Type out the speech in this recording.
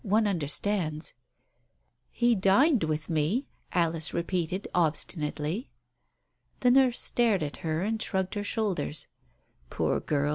One understands "" He dined with me," Alice repeated obstinately. The nurse stared at her, and shrugged her shoulders. Poor girl